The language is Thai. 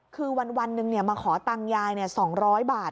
คือวันหนึ่งมาขอตังค์ยาย๒๐๐บาท